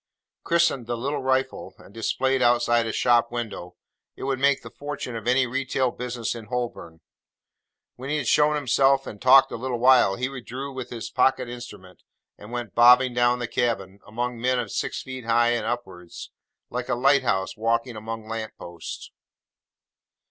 Christened 'The Little Rifle,' and displayed outside a shop window, it would make the fortune of any retail business in Holborn. When he had shown himself and talked a little while, he withdrew with his pocket instrument, and went bobbing down the cabin, among men of six feet high and upwards, like a light house walking among lamp posts.